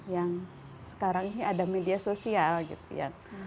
yang sekarang ini ada media sosial gitu ya